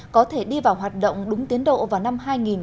có thể đi vào hoạt động đúng tiến độ vào năm hai nghìn hai mươi